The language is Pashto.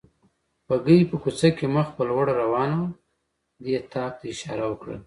بګۍ په کوڅه کې مخ په لوړه روانه وه، دې طاق ته اشاره وکړل.